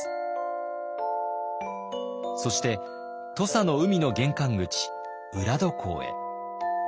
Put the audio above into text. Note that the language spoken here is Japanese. そして土佐の海の玄関口浦戸港へ。